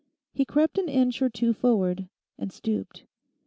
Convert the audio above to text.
He crept an inch or two forward, and stooped.